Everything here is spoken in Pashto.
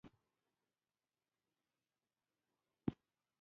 د چوپ ږغونو هم معنی وي.